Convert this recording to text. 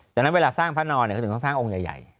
ดังนั้นเวลาสร้างพระนอนเขาถึงต้องสร้างองค์ใหญ่